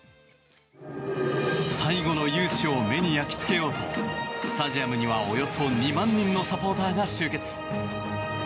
最後の雄姿を目に焼きつけようとスタジアムにはおよそ２万人のサポーターが集結。